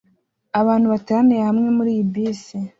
Abantu bateraniye hamwe muri iyi bisi